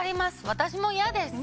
私も嫌です！